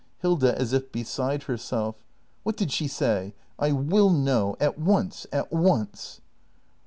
Hilda. [As if beside herself.] W h a t did she say ? I w i 1 1 know! At once! at once!